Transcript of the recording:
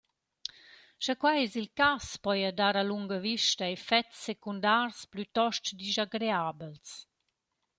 Scha quai es il cas, poja dar a lunga vista effets secundars plütöst dischagreabels.